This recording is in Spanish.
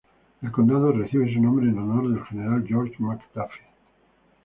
El condado recibe su nombre en honor al general George McDuffie.